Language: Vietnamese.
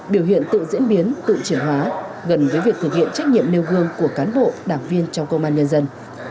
biểu hiện tự diễn biến tự chuyển hóa gần với việc thực hiện trách nhiệm nêu gương của cán bộ đảng viên trong công an nhân dân